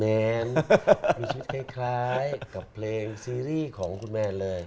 เป็นชุดคล้ายกับเพลงซีรีส์ของคุณแมนเลย